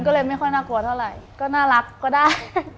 ก็เลยไม่ค่อยน่ากลัวเท่าไหร่ก็น่ารักก็ได้